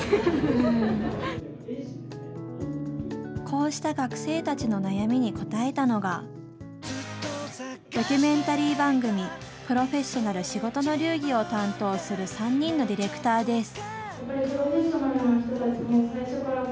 こうした学生たちの悩みに答えたのがドキュメンタリー番組「プロフェッショナル仕事の流儀」を担当する３人のディレクターです。